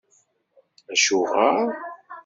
Acuɣer?